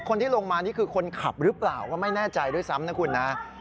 คนที่ลงมานี่คือคนขับหรือเปล่าก็ไม่แน่ใจด้วยซ้ำนะคุณนะ